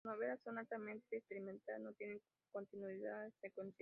Sus novelas son altamente experimentales: no tiene continuidad secuencial.